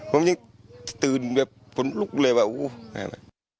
ผมยังตื่นแบบผลลุกเลยว่าอู้ว